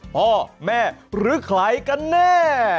พ่อแม่หรือใครกันแน่